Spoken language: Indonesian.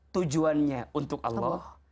tujuannya untuk allah